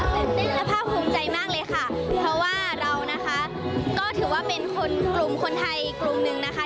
เป็นภาพภูมิใจมากเลยค่ะเพราะว่าเราก็ถือว่าเป็นกลุ่มคนไทยกลุ่มนึงนะคะ